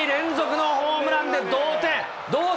レフトへ、２試合連続のホームランで同点。